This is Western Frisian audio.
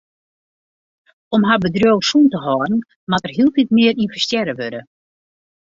Om har bedriuw sûn te hâlden moat der hieltyd mear ynvestearre wurde.